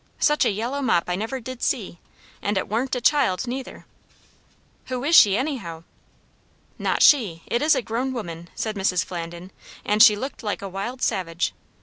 Such a yellow mop I never did see. And it warn't a child neither. Who is she anyhow?" "Not she. It is a grown woman," said Mrs. Flandin; "and she looked like a wild savage.